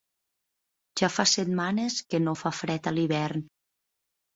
Ja fa setmanes que no fa fred a l'hivern.